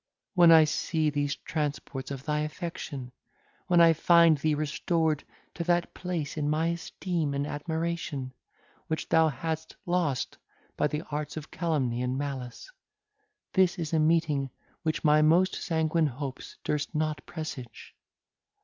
When I see these transports of thy affection, when I find thee restored to that place in my esteem and admiration, which thou hadst lost by the arts of calumny and malice—this is a meeting which my most sanguine hopes durst not presage!"